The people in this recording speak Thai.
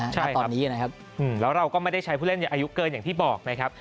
ณตอนนี้นะครับแล้วเราก็ไม่ได้ใช้ผู้เล่นอายุเกินอย่างที่บอกนะครับ